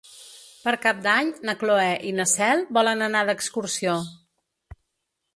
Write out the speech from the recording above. Per Cap d'Any na Cloè i na Cel volen anar d'excursió.